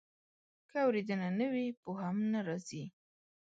که اورېدنه نه وي، پوهه هم نه راځي.